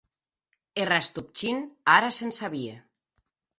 E Rastopchin ara se’n sabie.